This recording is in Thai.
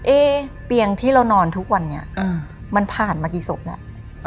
เอ๊ะเตียงที่เรานอนทุกวันเนี่ยมันผ่านมากี่ศพละ